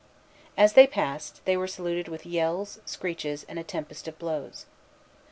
As they passed, they were saluted with yells, screeches, and a tempest of blows.